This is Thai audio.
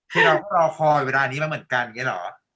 คือเราก็รอคอยเวลานี้มาเหมือนกันอย่างนี้เหรอ